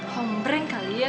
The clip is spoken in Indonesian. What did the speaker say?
hombreng kali ya